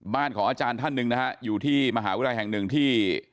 ของอาจารย์ท่านหนึ่งนะฮะอยู่ที่มหาวิทยาลัยแห่งหนึ่งที่